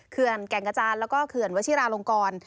แก่งกระจานแล้วก็เขื่อนวชิราลงกร